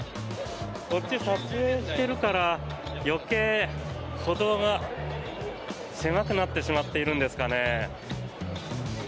こっち、撮影しているから余計、歩道が狭くなってしまっているんですかね。